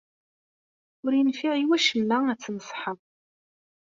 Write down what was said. Ur yenfiɛ i wacemma ad tt-tneṣḥed.